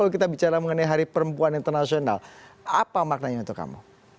kalau kita bicara mengenai hari perempuan internasional apa maknanya untuk kamu